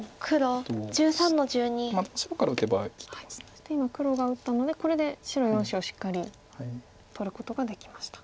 そして今黒が打ったのでこれで白４子をしっかり取ることができました。